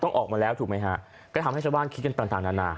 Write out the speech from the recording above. ออกมาแล้วถูกไหมฮะก็ทำให้ชาวบ้านคิดกันต่างนานา